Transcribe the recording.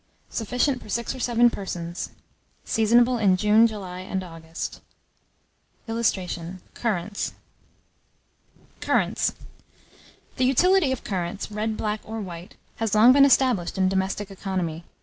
Sufficient for 6 or 7 persons. Seasonable in June, July, and August. [Illustration: CURRANTS.] CURRANTS. The utility of currants, red, black, or white, has long been established in domestic economy.